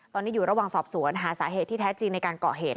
ตอนนี้อยู่ระหว่างสอบสวนหาสาเหตุที่แท้จริงในการก่อเหตุ